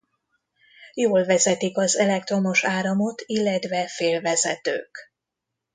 Jól vezetik az elektromos áramot illetve félvezetők.